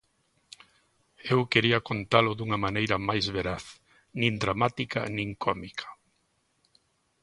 Eu quería contalo dunha maneira máis veraz, nin dramática nin cómica.